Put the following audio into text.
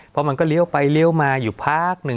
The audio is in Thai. เพราะมันก็เลี้ยวไปเลี้ยวมาอยู่พักหนึ่ง